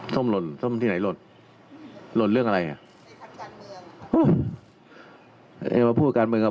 สิบคนตะอยอบจะโยงว่าที่ว่าท่านเอกก็รอส้มหล่นอยู่หรือเปล่า